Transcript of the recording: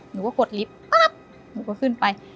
หนูก็กดลิฟต์ปั๊บหนูก็ขึ้นไป